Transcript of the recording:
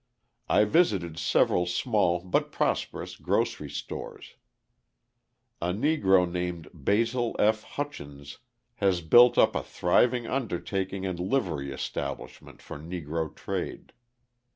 I visited several small but prosperous grocery stores. A Negro named Basil F. Hutchins has built up a thriving undertaking and livery establishment for Negro trade.